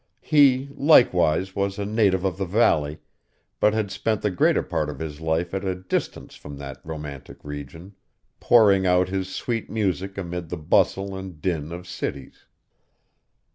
He, likewise, was a native of the valley, but had spent the greater part of his life at a distance from that romantic region, pouring out his sweet music amid the bustle and din of cities.